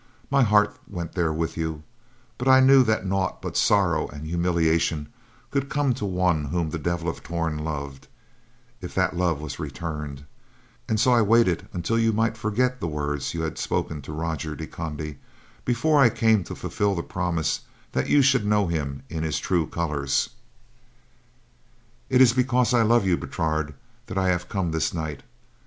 My heart went there with you, but I knew that naught but sorrow and humiliation could come to one whom the Devil of Torn loved, if that love was returned; and so I waited until you might forget the words you had spoken to Roger de Conde before I came to fulfill the promise that you should know him in his true colors. "It is because I love you, Bertrade, that I have come this night.